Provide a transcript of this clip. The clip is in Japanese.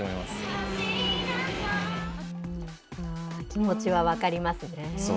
気持ちは分かりますね。